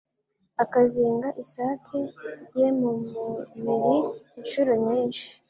akazinga isake ye mumubiri inshuro nyinshi